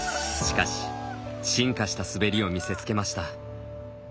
しかし、進化した滑りを見せつけました。